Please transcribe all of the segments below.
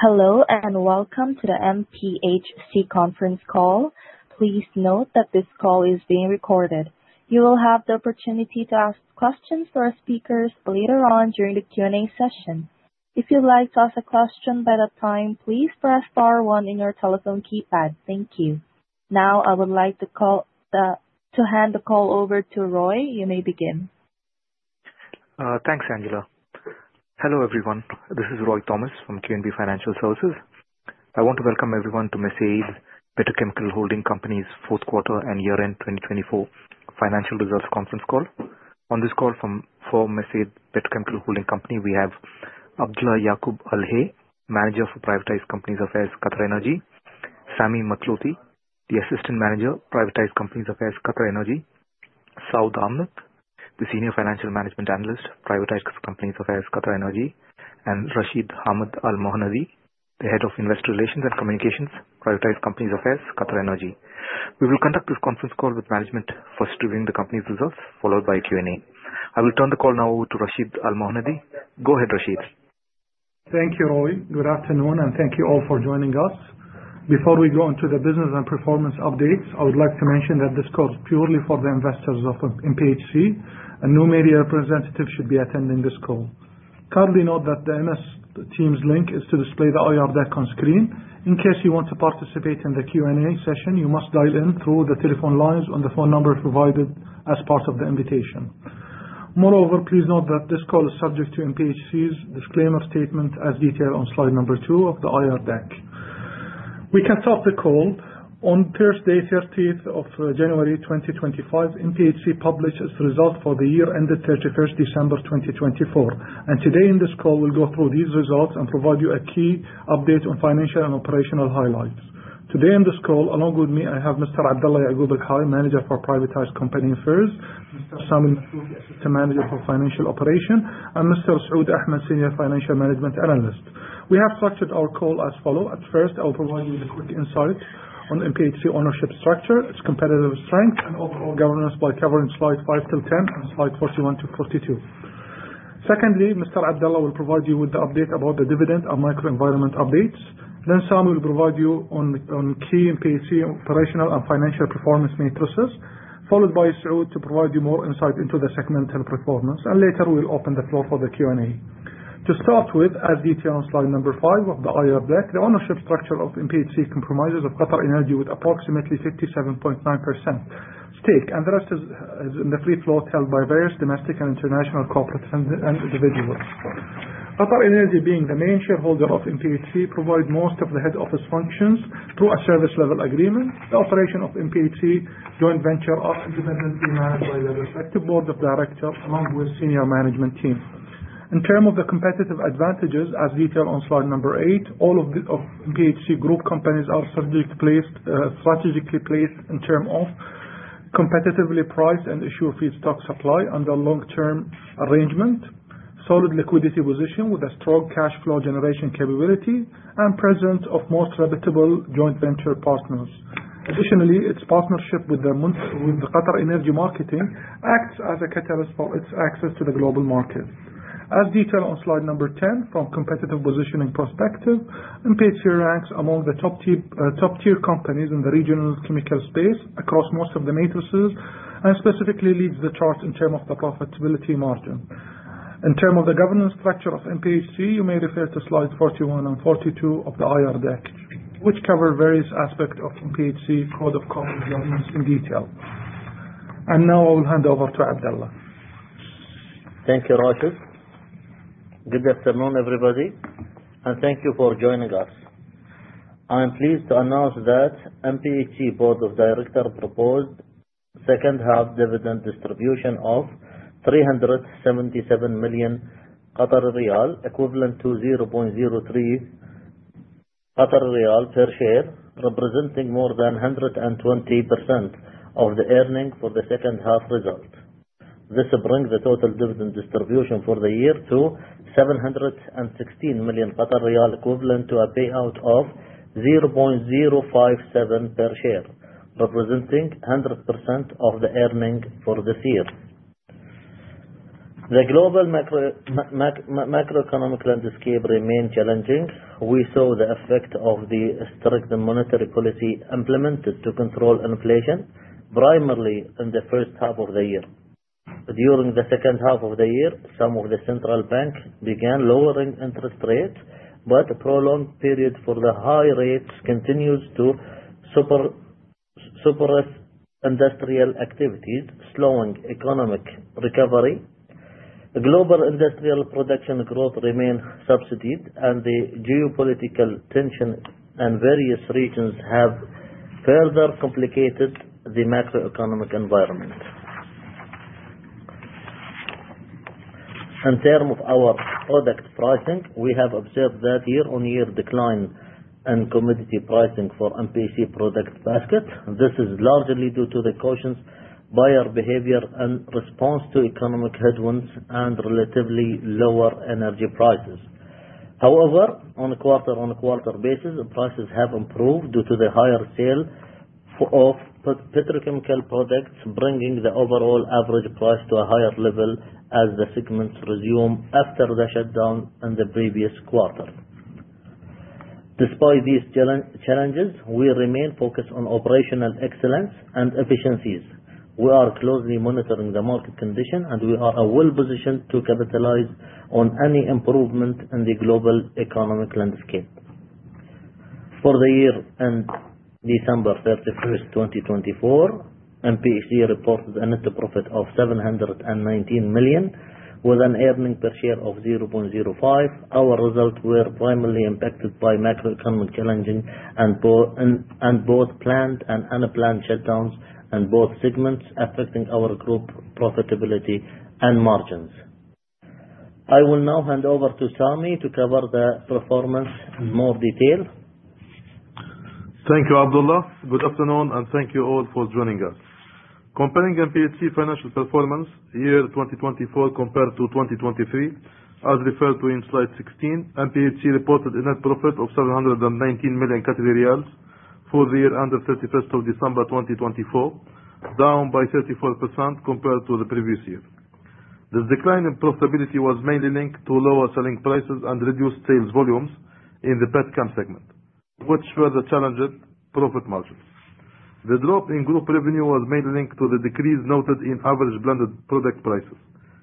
Hello, welcome to the MPHC conference call. Please note that this call is being recorded. You will have the opportunity to ask questions to our speakers later on during the Q&A session. If you'd like to ask a question by that time, please press star one on your telephone keypad. Thank you. Now, I would like to hand the call over to Roy. You may begin. Thanks, Angela. Hello, everyone. This is Roy Thomas from QNB Financial Services. I want to welcome everyone to Mesaieed Petrochemical Holding Company's fourth quarter and year-end 2024 financial results conference call. On this call from Mesaieed Petrochemical Holding Company, we have Abdulla Yaqoob Al-Hay, Manager for Privatized Companies Affairs, QatarEnergy. Sami Mathlouthi, the Assistant Manager, Privatized Companies Affairs, QatarEnergy. Saoud Ahmed, the Senior Financial Management Analyst, Privatized Companies Affairs, QatarEnergy. Rashid Hamad Al-Mohannadi, the Head of Investor Relations and Communications, Privatized Companies Affairs, QatarEnergy. We will conduct this conference call with management first reviewing the company's results, followed by Q&A. I will turn the call now over to Rashid Al-Mohannadi. Go ahead, Rashid. Thank you, Roy. Good afternoon, thank you all for joining us. Before we go into the business and performance updates, I would like to mention that this call is purely for the investors of MPHC, no media representatives should be attending this call. Kindly note that the MS Teams link is to display the IR deck on screen. In case you want to participate in the Q&A session, you must dial in through the telephone lines on the phone number provided as part of the invitation. Please note that this call is subject to MPHC's disclaimer statement as detailed on slide number two of the IR deck. We can start the call. On Thursday, 30th of January 2025, MPHC published its results for the year ended 31st December 2024. Today in this call, we'll go through these results and provide you a key update on financial and operational highlights. Today on this call, along with me, I have Mr. Abdulla Yaqoob Al-Hay, Manager for Privatized Company Affairs, Mr. Sami Mathlouthi, Assistant Manager for Financial Operation, Mr. Saoud Ahmed, Senior Financial Management Analyst. We have structured our call as follows. At first, I'll provide you with a quick insight on MPHC ownership structure, its competitive strength, and overall governance by covering slides five till 10 and slides 41 to 42. Mr. Abdulla will provide you with the update about the dividend and microenvironment updates. Sami will provide you on key MPHC operational and financial performance matrices, followed by Saoud to provide you more insight into the segmental performance, later we'll open the floor for the Q&A. To start with, as detailed on slide number five of the IR deck, the ownership structure of MPHC comprises of QatarEnergy with approximately 57.9% stake, the rest is in the free float held by various domestic and international corporate and individuals. QatarEnergy, being the main shareholder of MPHC, provides most of the head office functions through a service level agreement. The operation of MPHC joint ventures are independently managed by their respective board of directors along with senior management team. In terms of the competitive advantages, as detailed on slide number eight, all of MPHC group companies are strategically placed in terms of competitively priced and assured feedstock supply under long-term arrangement, solid liquidity position with a strong cash flow generation capability, and presence of most reputable joint venture partners. Additionally, its partnership with the QatarEnergy Marketing acts as a catalyst for its access to the global market. As detailed on slide number 10, from competitive positioning perspective, MPHC ranks among the top-tier companies in the regional chemical space across most of the matrices, specifically leads the chart in terms of the profitability margin. In terms of the governance structure of MPHC, you may refer to slides 41 and 42 of the IR deck, which cover various aspects of MPHC code of conduct and governance in detail. Now I will hand over to Abdulla. Thank you, Rashid. Good afternoon, everybody, and thank you for joining us. I am pleased to announce that MPHC board of directors proposed second half dividend distribution of 377 million riyal, equivalent to 0.03 riyal per share, representing more than 120% of the earnings for the second half results. This brings the total dividend distribution for the year to 716 million riyal, equivalent to a payout of 0.057 per share, representing 100% of the earning for this year. The global macroeconomic landscape remained challenging. We saw the effect of the strict monetary policy implemented to control inflation, primarily in the first half of the year. During the second half of the year, some of the central banks began lowering interest rates, a prolonged period for the high rates continues to suppress industrial activities, slowing economic recovery. The global industrial production growth remained subsided, the geopolitical tension in various regions have further complicated the macroeconomic environment. In terms of our product pricing, we have observed that year-on-year decline in commodity pricing for MPHC product basket. This is largely due to the cautious buyer behavior and response to economic headwinds and relatively lower energy prices. However, on a quarter-on-quarter basis, prices have improved due to the higher sale of petrochemical products, bringing the overall average price to a higher level as the segments resume after the shutdown in the previous quarter. Despite these challenges, we remain focused on operational excellence and efficiencies. We are closely monitoring the market condition, we are well-positioned to capitalize on any improvement in the global economic landscape. For the year end, December 31st, 2024, MPHC reported a net profit of 719 million, with an earnings per share of 0.05. Our results were primarily impacted by macroeconomic challenges and both planned and unplanned shutdowns in both segments, affecting our group profitability and margins. I will now hand over to Sami to cover the performance in more detail. Thank you, Abdulla. Good afternoon, and thank you all for joining us. Comparing MPHC financial performance year 2024 compared to 2023, as referred to in slide 16, MPHC reported a net profit of 719 million Qatari riyals for the year end of 31st of December 2024, down by 34% compared to the previous year. The decline in profitability was mainly linked to lower selling prices and reduced sales volumes in the Petchem segment, which further challenged profit margins. The drop in group revenue was mainly linked to the decrease noted in average blended product prices,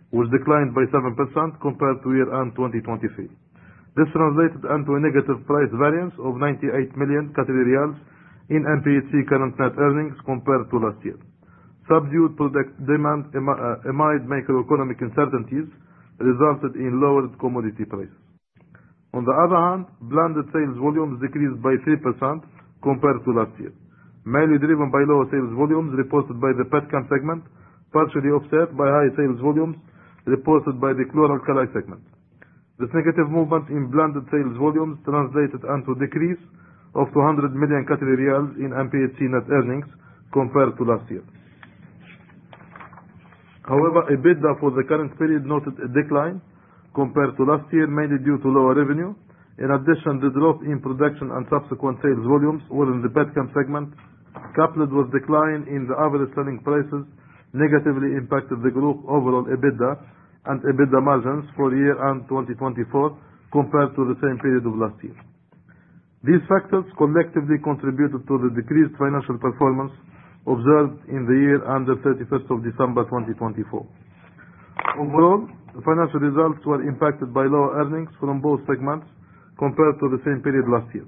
which declined by 7% compared to year end 2023. This translated into a negative price variance of 98 million Qatari riyals in MPHC current net earnings compared to last year. Subdued product demand amid macroeconomic uncertainties resulted in lower commodity prices. On the other hand, blended sales volumes decreased by 3% compared to last year, mainly driven by lower sales volumes reported by the Petchem segment, partially offset by higher sales volumes reported by the Chlor-alkali segment. This negative movement in blended sales volumes translated into a decrease of 200 million in MPHC net earnings compared to last year. EBITDA for the current period noted a decline compared to last year, mainly due to lower revenue. In addition, the drop in production and subsequent sales volumes within the Petchem segment, coupled with decline in the average selling prices, negatively impacted the group overall EBITDA and EBITDA margins for the year end 2024 compared to the same period of last year. These factors collectively contributed to the decreased financial performance observed in the year end of 31st of December 2024. Overall, the financial results were impacted by lower earnings from both segments compared to the same period last year.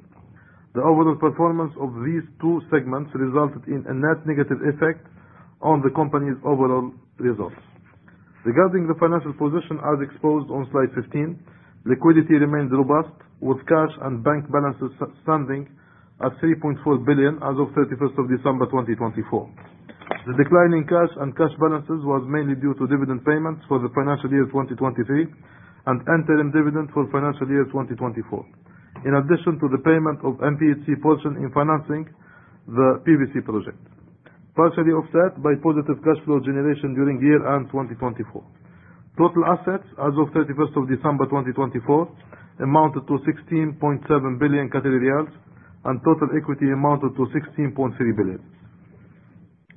The overall performance of these two segments resulted in a net negative effect on the company's overall results. Regarding the financial position as exposed on slide 15, liquidity remains robust, with cash and bank balances standing at 3.4 billion as of 31st of December 2024. The decline in cash and cash balances was mainly due to dividend payments for the financial year 2023 and interim dividend for financial year 2024, in addition to the payment of MPHC portion in financing the PVC project, partially offset by positive cash flow generation during year end 2024. Total assets as of 31st of December 2024 amounted to 16.7 billion Qatari riyals, and total equity amounted to 16.3 billion.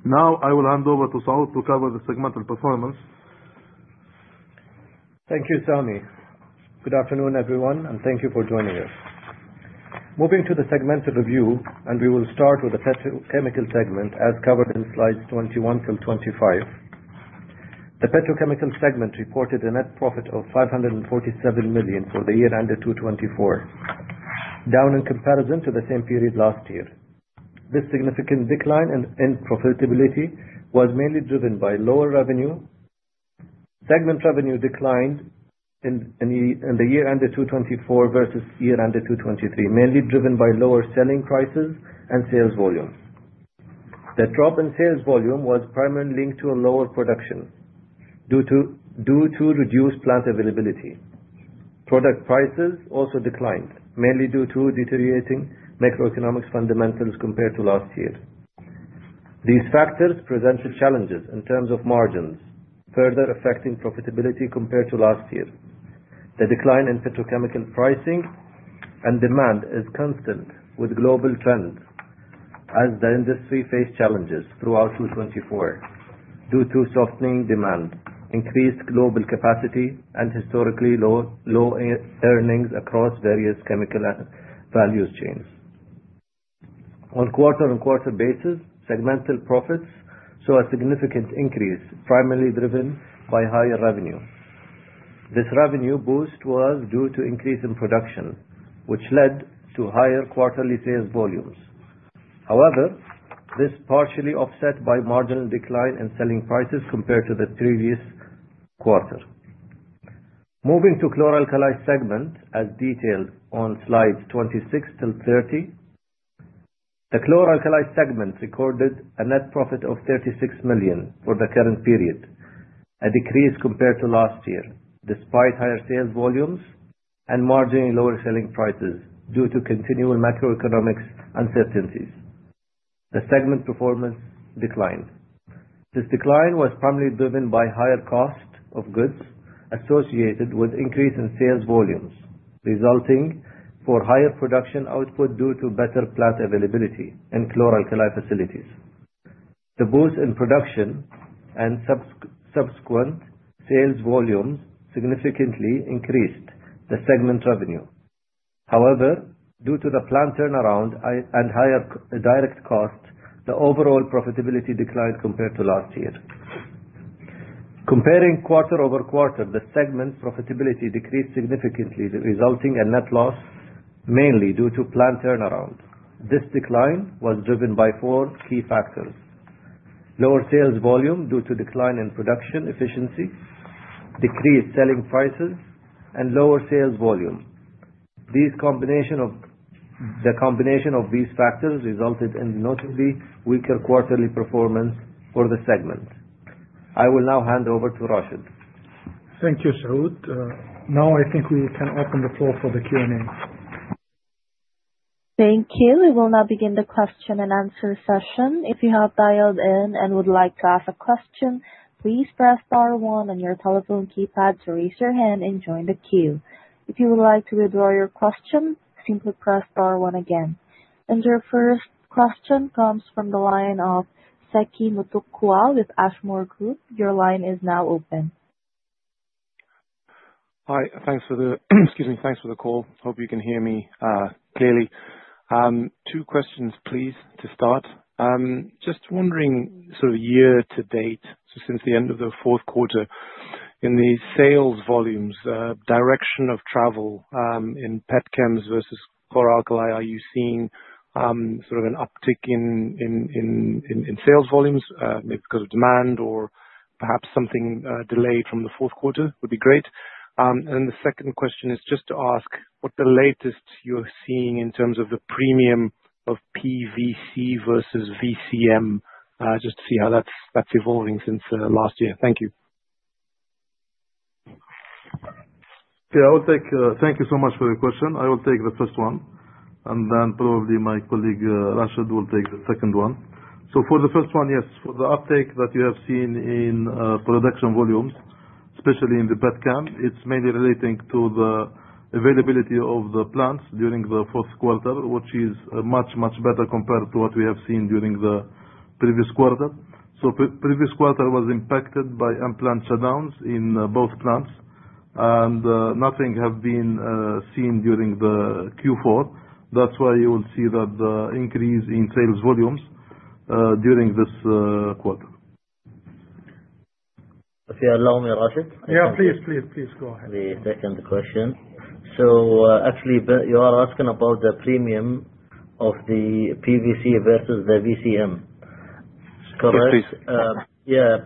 I will hand over to Saud to cover the segmental performance. Thank you, Sami. Good afternoon, everyone, and thank you for joining us. Moving to the segmental review, we will start with the Petrochemical segment as covered in slides 21 till 25. The Petrochemical segment reported a net profit of 547 million for the year end of 2024, down in comparison to the same period last year. This significant decline in profitability was mainly driven by lower revenue. Segment revenue declined in the year end of 2024 versus year end of 2023, mainly driven by lower selling prices and sales volumes. The drop in sales volume was primarily linked to a lower production due to reduced plant availability. Product prices also declined, mainly due to deteriorating macroeconomic fundamentals compared to last year. These factors presented challenges in terms of margins, further affecting profitability compared to last year. The decline in petrochemical pricing and demand is constant with global trends as the industry faced challenges throughout 2024 due to softening demand, increased global capacity, and historically low earnings across various chemical values chains. On quarter-on-quarter basis, segmental profits saw a significant increase, primarily driven by higher revenue. This revenue boost was due to increase in production, which led to higher quarterly sales volumes. This partially offset by marginal decline in selling prices compared to the previous quarter. Moving to Chlor-alkali segment as detailed on slides 26 till 30. The Chlor-alkali segment recorded a net profit of 36 million for the current period, a decrease compared to last year, despite higher sales volumes and marginally lower selling prices due to continuing macroeconomics uncertainties. The segment performance declined. This decline was primarily driven by higher cost of goods associated with increase in sales volumes, resulting for higher production output due to better plant availability and Chlor-alkali facilities. The boost in production and subsequent sales volumes significantly increased the segment revenue. Due to the plant turnaround and higher direct cost, the overall profitability declined compared to last year. Comparing quarter-over-quarter, the segment's profitability decreased significantly, resulting a net loss mainly due to plant turnaround. This decline was driven by four key factors. Lower sales volume due to decline in production efficiency, decreased selling prices, and lower sales volume. The combination of these factors resulted in notably weaker quarterly performance for the segment. I will now hand over to Rashid. Thank you, Saoud. I think we can open the floor for the Q&A. Thank you. We will now begin the question and answer session. If you have dialed in and would like to ask a question, please press star one on your telephone keypad to raise your hand and join the queue. If you would like to withdraw your question, simply press star one again. Your first question comes from the line of Seki Mutukwa with Ashmore Group. Your line is now open. Hi, thanks for the call. Hope you can hear me clearly. Two questions please, to start. Just wondering, year to date, so since the end of the fourth quarter in the sales volumes, direction of travel, in pet chems versus Chlor-alkali. Are you seeing an uptick in sales volumes, maybe because of demand or perhaps something delayed from the fourth quarter? Would be great. The second question is just to ask what the latest you're seeing in terms of the premium of PVC versus VCM, just to see how that's evolving since last year. Thank you. Thank you so much for your question. I will take the first one. Then probably my colleague, Rashid, will take the second one. For the first one, yes. For the uptick that we have seen in production volumes, especially in the pet chem, it's mainly relating to the availability of the plants during the fourth quarter, which is much, much better compared to what we have seen during the previous quarter. Previous quarter was impacted by unplanned shutdowns in both plants. Nothing have been seen during the Q4. That's why you will see that increase in sales volumes during this quarter. If you allow me, Rashid. Yeah, please. Please go ahead. Actually, you are asking about the premium of the PVC versus the VCM, correct? Yes, please. Yeah.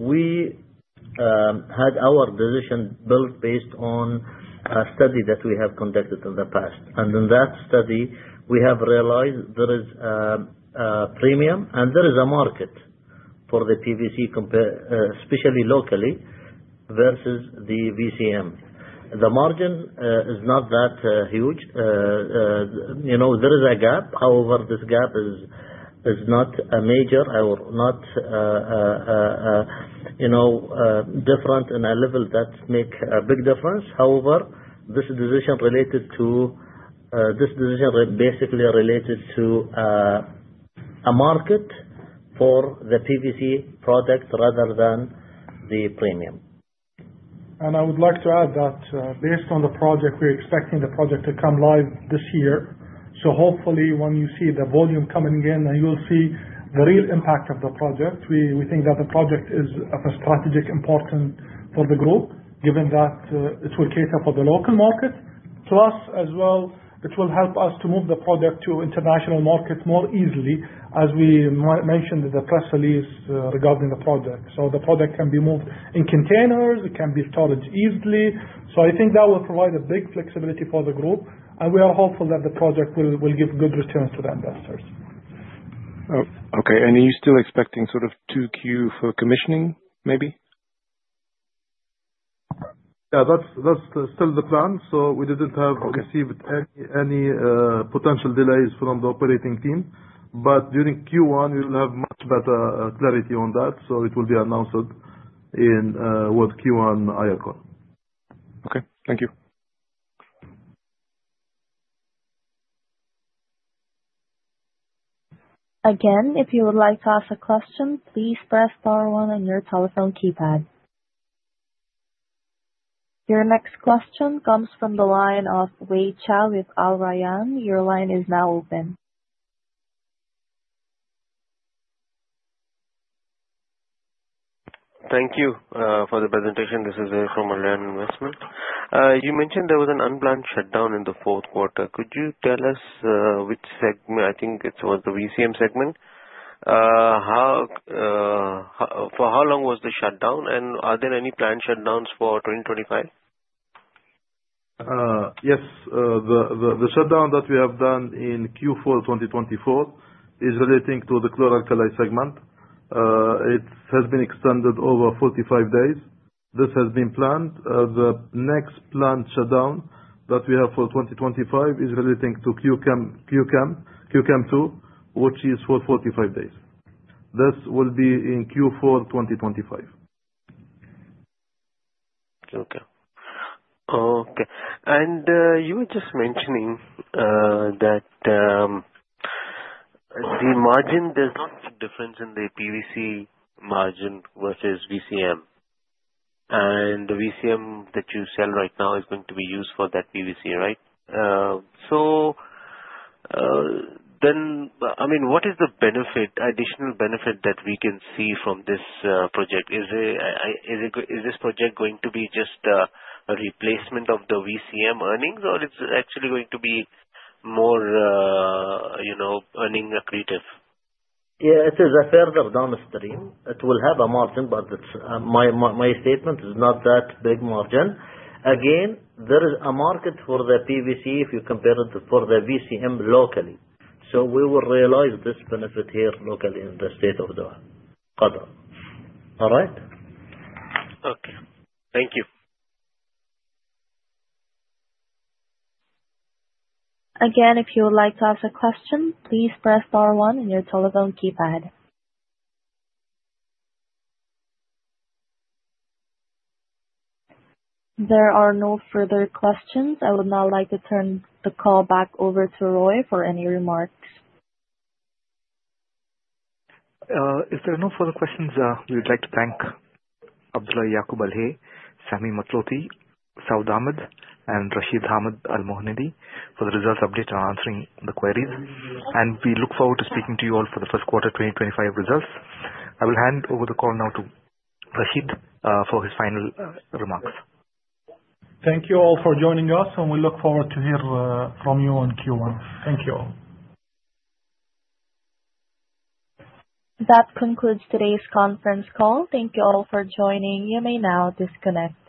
We had our decision built based on a study that we have conducted in the past. In that study, we have realized there is a premium and there is a market for the PVC, especially locally versus the VCM. The margin is not that huge. There is a gap, however, this gap is not major or not different in a level that make a big difference. However, this decision basically related to a market for the PVC product rather than the premium. I would like to add that, based on the project, we're expecting the project to come live this year. Hopefully when you see the volume coming in, you will see the real impact of the project. We think that the project is of a strategic importance for the group, given that it will cater for the local market. Plus, as well, it will help us to move the project to international market more easily, as we mentioned in the press release regarding the project. The project can be moved in containers, it can be stored easily. I think that will provide a big flexibility for the group, and we are hopeful that the project will give good returns to the investors. Okay. Are you still expecting 2Q for commissioning, maybe? Yeah, that's still the plan. We didn't have- Okay. -received any potential delays from the operating team. During Q1, we'll have much better clarity on that. It will be announced with Q1 IR call. Okay. Thank you. If you would like to ask a question, please press star one on your telephone keypad. Your next question comes from the line of Wei Chao with Al Rayan. Your line is now open. Thank you for the presentation. This is Wei from AlRayan Investment. You mentioned there was an unplanned shutdown in the fourth quarter. Could you tell us which segment, I think it was the VCM segment. For how long was the shutdown, and are there any planned shutdowns for 2025? Yes. The shutdown that we have done in Q4 2024 is relating to the Chlor-alkali segment. It has been extended over 45 days. This has been planned. The next planned shutdown that we have for 2025 is relating to Q-Chem II, which is for 45 days. This will be in Q4 2025. Okay. You were just mentioning that the margin, there's not much difference in the PVC margin versus VCM. The VCM that you sell right now is going to be used for that PVC, right? What is the additional benefit that we can see from this project? Is this project going to be just a replacement of the VCM earnings, or it's actually going to be more earning accretive? Yeah, it is a further downstream. It will have a margin, but my statement, it's not that big margin. Again, there is a market for the PVC if you compare it for the VCM locally. We will realize this benefit here locally in the state of Doha, Qatar. All right? Okay. Thank you. Again, if you would like to ask a question, please press star one on your telephone keypad. There are no further questions. I would now like to turn the call back over to Roy for any remarks. If there are no further questions, we would like to thank Abdulla Yaqoob Al-Hay, Sami Mathlouthi, Saoud Ahmed, and Rashid Hamad Al-Mohannadi for the results update and answering the queries. We look forward to speaking to you all for the first quarter 2025 results. I will hand over the call now to Rashid for his final remarks. Thank you all for joining us, and we look forward to hear from you on Q1. Thank you all. That concludes today's conference call. Thank you all for joining. You may now disconnect.